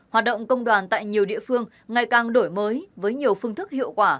hoạt động công đoàn tại nhiều địa phương ngày càng đổi mới với nhiều phương thức hiệu quả